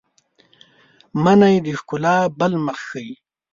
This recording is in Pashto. منی د ښکلا بل مخ ښيي